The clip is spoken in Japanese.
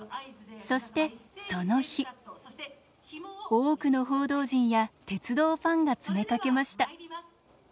多くの報道陣や鉄道ファンが詰めかけました。